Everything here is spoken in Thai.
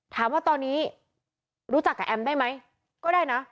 ถามว่าตอนนี้รู้จักกับแอมได้ไหมก็ได้นะ